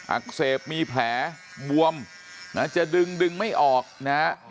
อักเสบมีแผลบวมนะจะดึงดึงไม่ออกนะฮะ